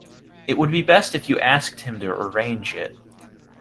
It would be best if you asked him to arrange it.